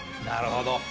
なるほど。